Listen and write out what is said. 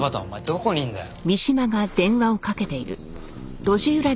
どこにいるんだよ？